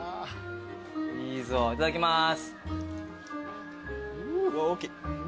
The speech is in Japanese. いいぞいただきます。